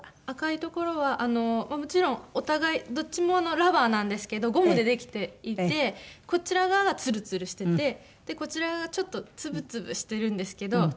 赤いところはもちろんお互いどっちもラバーなんですけどゴムでできていてこちらがツルツルしていてでこちら側がちょっとツブツブしているんですけど。